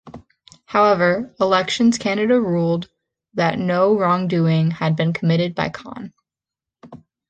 However, Elections Canada ruled that no wrongdoing had been committed by Khan.